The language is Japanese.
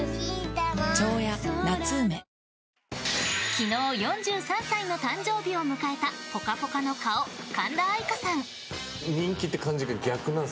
昨日４３歳の誕生日を迎えた「ぽかぽか」の顔、神田愛花さん。